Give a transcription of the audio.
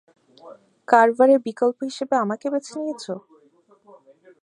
কার্ভারের বিকল্প হিসেবে আমাকে বেছে নিয়েছো?